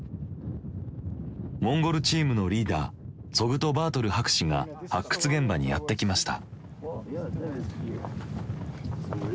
モンゴルチームのリーダーツォグトバートル博士が発掘現場にやって来ました。